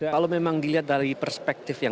kalau memang dilihat dari perspektif yang